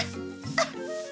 あっ！